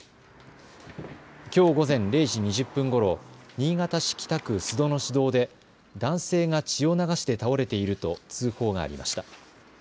きょう午前０時２０分ごろ、新潟市北区須戸の市道で男性が血を流して倒れていると通報がありました。